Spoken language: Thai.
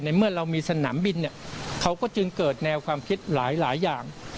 เมื่อเรามีสนามบินเนี่ยเขาก็จึงเกิดแนวความคิดหลายอย่าง